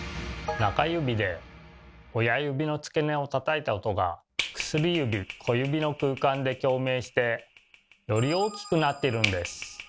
中指で親指の付け根をたたいた音が薬指小指の空間で共鳴してより大きくなっているんです。